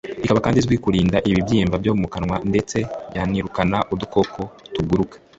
ikaba kandi izwiho kurinda ibibyimba byo mu kanwa ndetse yanirukana udukoko tuguruka